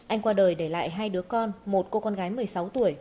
anh qua đời để lại hai đứa con một cô con gái một mươi sáu tuổi